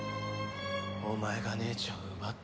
お前が姉ちゃんを奪ったんだ。